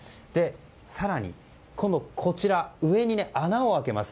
更に、上に穴を開けます。